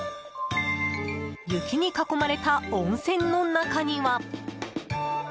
雪に囲まれた温泉の中には。